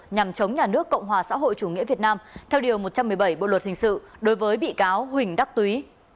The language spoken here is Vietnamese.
nhằm chống nhà nước cộng hòa xã hội chủ nghĩa việt nam theo điều một trăm một mươi bảy bộ luật hình sự đối với bị cáo huỳnh đắc túy